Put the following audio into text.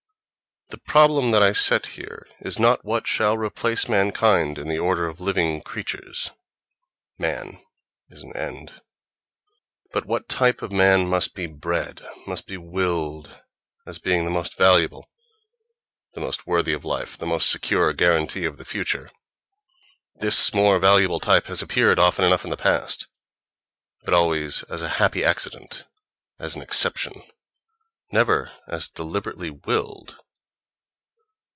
The problem that I set here is not what shall replace mankind in the order of living creatures (—man is an end—): but what type of man must be bred, must be willed, as being the most valuable, the most worthy of life, the most secure guarantee of the future. This more valuable type has appeared often enough in the past: but always as a happy accident, as an exception, never as deliberately willed.